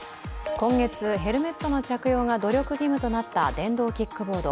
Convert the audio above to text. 今月、ヘルメットの着用が努力義務となった電動キックボード。